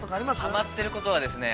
◆はまってることはですね、